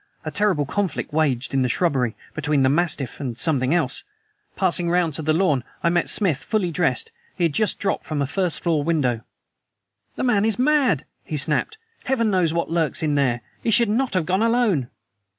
A terrible conflict waged in the shrubbery, between the mastiff and something else. Passing round to the lawn, I met Smith fully dressed. He just had dropped from a first floor window. "The man is mad!" he snapped. "Heaven knows what lurks there! He should not have gone alone!"